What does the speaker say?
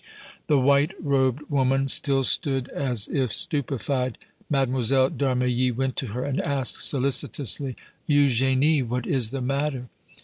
The white robed woman still stood as if stupefied. Mlle. d' Armilly went to her and asked, solicitously: "Eugénie, what is the matter?"